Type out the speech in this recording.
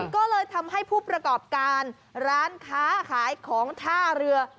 ก็เลยทำให้ผู้ประกอบการร้านค้าขายของท่าเรือ